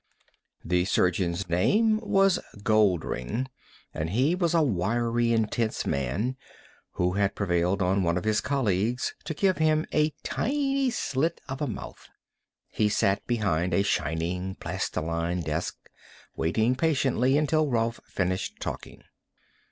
The surgeon's name was Goldring, and he was a wiry, intense man who had prevailed on one of his colleagues to give him a tiny slit of a mouth. He sat behind a shining plastiline desk, waiting patiently until Rolf finished talking.